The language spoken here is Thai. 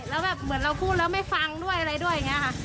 แล้วแบบเหมือนเราพูดแล้วไม่ฟังด้วยอะไรด้วย